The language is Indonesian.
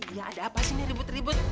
iya ada apa sih nih ribut ribut